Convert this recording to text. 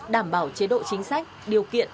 đảm bảo chế độ chính sách điều kiện